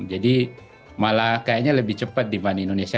jadi malah kayaknya lebih cepat dibanding indonesia